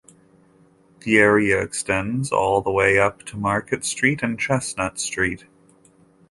The area extends all the way up to Market Street and Chestnut Street.